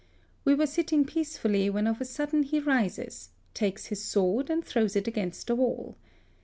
We were sitting peacefully when of a sudden he rises, takes his sword and throws it against the wall.